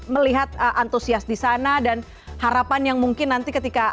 melihat antusias di sana dan harapan yang mungkin nanti ketika